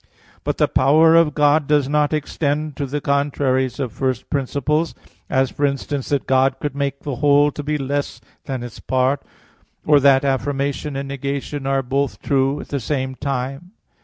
But the power of God does not extend to the contraries of first principles; as, for instance, that God could make the whole to be less than its part, or that affirmation and negation are both true at the same time.